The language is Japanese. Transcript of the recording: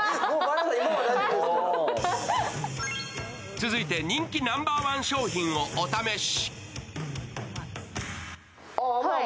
続いて人気ナンバーワン商品をお試し。